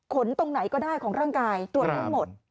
ตรงไหนก็ได้ของร่างกายตรวจทั้งหมด